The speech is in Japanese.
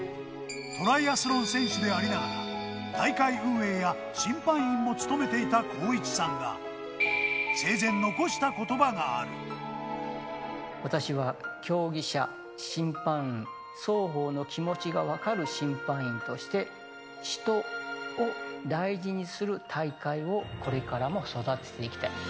トライアスロン選手でありながら、大会運営や審判員も務めていた浩一さんが、生前残したことばがあ私は競技者、審判員、双方の気持ちが分かる審判員として、人を大事にする大会をこれからも育てていきたい。